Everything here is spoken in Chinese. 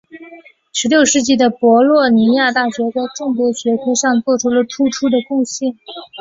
十六世纪的博洛尼亚大学在众多学科上做出了突出的贡献。